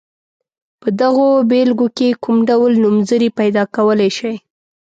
په دغو بېلګو کې کوم ډول نومځري پیداکولای شئ.